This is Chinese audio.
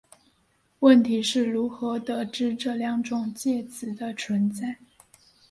问题是如何得知这两种介子的存在。